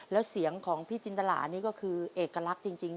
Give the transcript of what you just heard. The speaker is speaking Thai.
แล้วเสียงของพี่จินตรานี่ก็คือเอกลักษณ์จริง